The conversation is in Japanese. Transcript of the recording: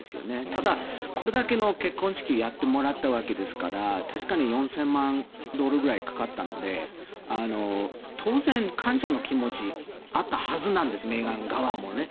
ただ、これだけの結婚式をやってもらったわけですから確かに４０００万ドルくらいかかったので当然、感謝の気持ちあったはずなんですメーガン側もね。